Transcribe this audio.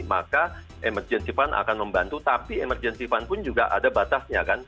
maka emergency fund akan membantu tapi emergency fund pun juga ada batasnya kan